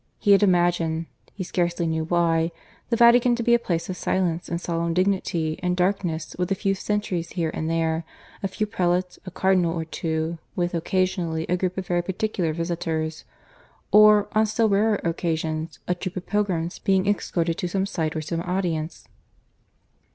He had imagined (he scarcely knew why) the Vatican to be a place of silence and solemn dignity and darkness, with a few sentries here and there, a few prelates, a cardinal or two with occasionally a group of very particular visitors, or, on still rarer occasions, a troop of pilgrims being escorted to some sight or some audience.